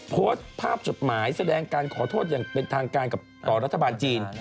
โพสต์ภาพจดหมายแสดงการขอโทษอย่างเป็นทางการกับต่อรัฐบาลจีน